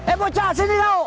eh bocah sini tau